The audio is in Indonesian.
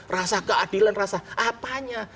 rasa keadilan rasa apanya